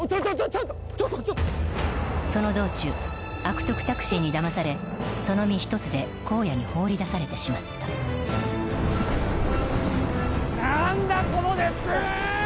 ちょっとちょっとちょっとその道中悪徳タクシーにだまされその身一つで荒野に放り出されてしまった何だこの熱風は！